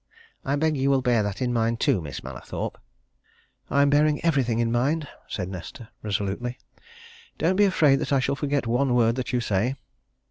I beg you will bear that in mind, too, Miss Mallathorpe." "I am bearing everything in mind," said Nesta resolutely. "Don't be afraid that I shall forget one word that you say."